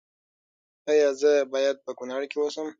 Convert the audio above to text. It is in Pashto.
ایا زه باید په کنړ کې اوسم؟